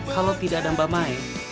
kalau tidak ada mba mae